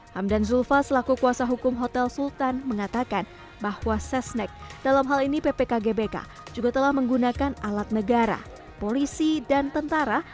hamdan zulfa selaku kuasa hukum hotel sultan mengatakan bahwa sesnek dalam hal ini ppkgbk juga telah menggunakan alat negara polisi dan tentara